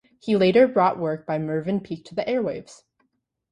He later brought work by Mervyn Peake to the airwaves.